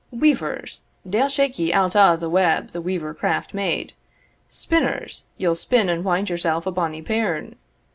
Weavers! Deil shake ye out o' the web the weaver craft made. Spinners! ye'll spin and wind yourself a bonny pirn.